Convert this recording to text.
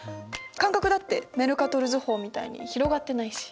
間隔だってメルカトル図法みたいに広がってないし。